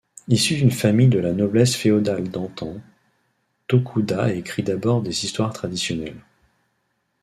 Issu d'une famille de la noblesse féodale d'antan, Tokuda écrit d'abord des histoires traditionnelles.